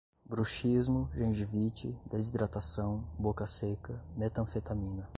bruxismo, gengivite, desidratação, boca seca, metanfetamina